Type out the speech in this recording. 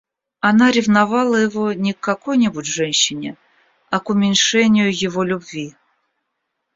Она ревновала его не к какой-нибудь женщине, а к уменьшению его любви.